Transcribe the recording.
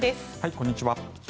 こんにちは。